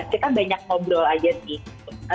kita banyak ngobrol aja sih